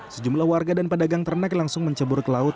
sejumlah warga dan pedagang ternak langsung mencebur ke laut